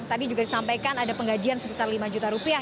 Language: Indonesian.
tadi juga disampaikan ada penggajian sebesar lima juta rupiah